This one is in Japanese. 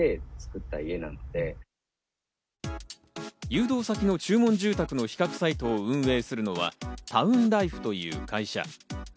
誘導先の注文住宅の比較サイトを運営するのはタウンライフという会社。